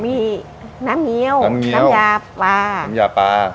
มีน้ำเงี้ยวน้ำยาปลา